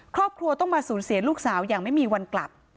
ครอบครัวต้องมาสูญเสียลูกสาวอย่างไม่มีวันกลับ